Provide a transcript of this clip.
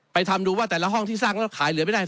ทำดูว่าแต่ละห้องที่สร้างแล้วขายเหลือไม่ได้